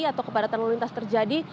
atau kepadatan lalu lintas terjadi